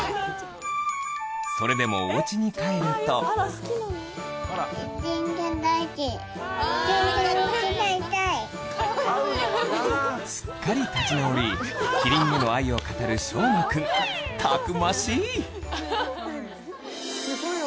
それでもおうちに帰るとすっかり立ち直りキリンへの愛を語るしょうまくんたくましい！